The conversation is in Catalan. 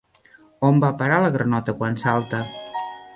On va a parar la granota quan salta?